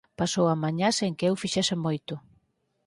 Pasou a mañá sen que eu fixese moito.